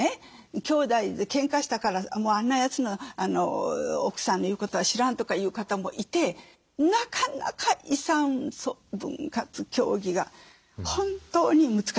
「兄弟でけんかしたからあんなやつの奥さんの言うことは知らん」とか言う方もいてなかなか遺産分割協議が本当に難しい。